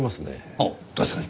ああ確かに。